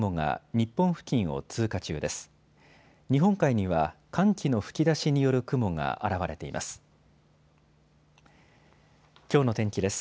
日本海には寒気の吹き出しによる雲が現れています。